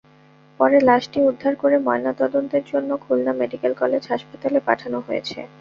পরে লাশটি উদ্ধার করে ময়নাতদন্তের জন্য খুলনা মেডিকেল কলেজ হাসপাতালে পাঠানো হয়েছে।